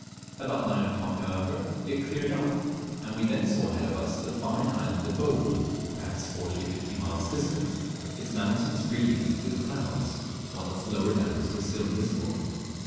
About nine o'clock, however, it cleared up, and we then saw ahead of us the fine island of Bouru, perhaps forty or fifty miles distant, its mountains wreathed with clouds, while its lower lands were still invisible.